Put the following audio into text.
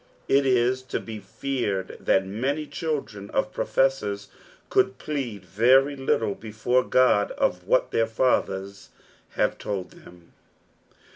It is to be feared that many children of profesaors could plead very little before God of what their fathers have told them.